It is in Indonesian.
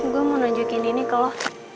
gue mau nunjukin ini ke lo